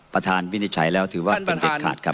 วินิจฉัยแล้วถือว่าเป็นเด็ดขาดครับ